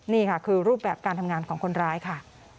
นี่ค่ะคือรูปแบบการทำงานของคนร้ายค่ะ